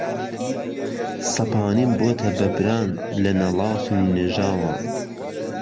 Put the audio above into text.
سهپانیم بۆته بهبران له نهڵاس و نیژاوان